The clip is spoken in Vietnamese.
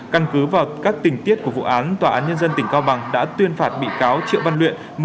căn cứ vào các tình tiết của vụ án tòa án nhân dân tỉnh cao bằng đã tuyên phạt bị cáo triệu văn luyện